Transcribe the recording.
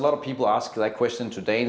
bertanya kepada orang orang di denmark